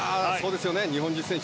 日本人選手